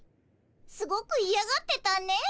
すごくいやがってたねぇ。